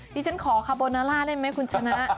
ดิฉันขอคาโบนาล่าได้ไหมคุณชนะ